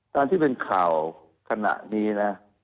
ตามที่เป็นข่าวขณะนี้นะ